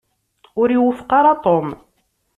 Ur iwufeq ara Tom.